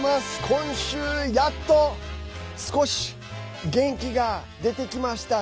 今週、やっと少し、元気が出てきました。